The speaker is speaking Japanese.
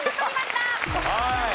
はい。